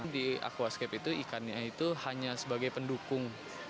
di aquascape itu ikannya itu hanya sebagai pendukung